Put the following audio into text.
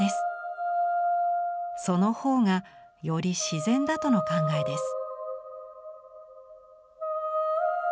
その方がより自然だとの考えです。